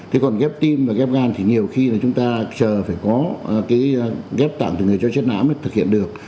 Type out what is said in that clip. thế còn ghép tim và ghép gan thì nhiều khi là chúng ta chờ phải có cái ghép tặng từ người cho chết nãm để thực hiện được